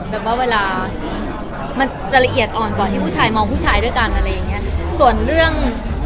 แบบว่าเวลามันจะละเอียดอ่อนกว่าที่ผู้ชายมองผู้ชายด้วยกันอะไรอย่างเงี้ย